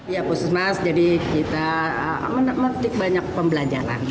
ya puskes mas jadi kita menetik banyak pembelajaran